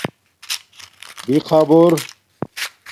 بِخآبُور